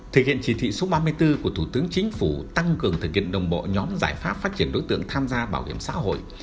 thực hiện chỉ thị số ba mươi bốn của thủ tướng chính phủ tăng cường thực hiện đồng bộ nhóm giải pháp phát triển đối tượng tham gia bảo hiểm xã hội